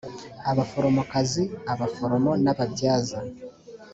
abaforomokazi abaforomo n ababyaza